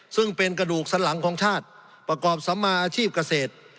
ซึ่งเป็นกระดูกสันหลังของชาติประกอบสัมมาอาชีพเกษตร